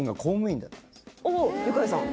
おおユカイさん？